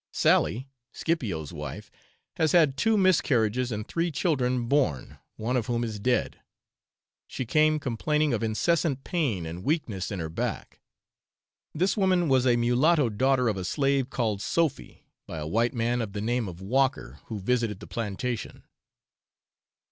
Sally, Scipio's wife, has had two miscarriages and three children born, one of whom is dead. She came complaining of incessant pain and weakness in her back. This woman was a mulatto daughter of a slave called Sophy, by a white man of the name of Walker, who visited the plantation.